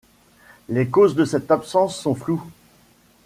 Les causes de cette absence sont floues.